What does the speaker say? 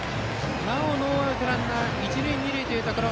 なおノーアウトランナー、一塁二塁というところ。